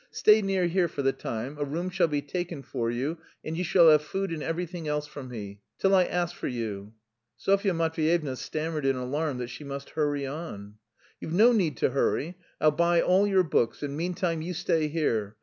Stay near here for the time. A room shall be taken for you and you shall have food and everything else from me... till I ask for you." Sofya Matveyevna stammered in alarm that she must hurry on. "You've no need to hurry. I'll buy all your books, and meantime you stay here.